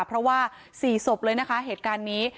เพราะว่า๔ศพเลยนะคะเหตุการณ์นี้